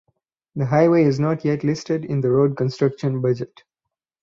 The highway is not yet listed in the road construction budget.